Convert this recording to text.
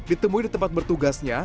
ditemui di tempat bertugasnya